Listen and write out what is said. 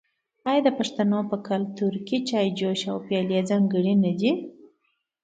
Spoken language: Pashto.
آیا د پښتنو په کلتور کې د چای جوش او پیالې ځانګړي نه دي؟